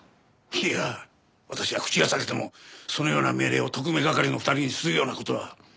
いや私は口が裂けてもそのような命令を特命係の２人にするような事は。